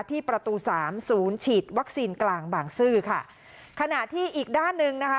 ที่ประตูสามศูนย์ฉีดวัคซีนกลางบางซื่อค่ะขณะที่อีกด้านหนึ่งนะคะ